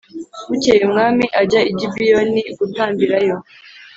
Bukeye umwami ajya i Gibeyoni gutambirayo